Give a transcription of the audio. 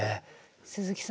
鈴木さん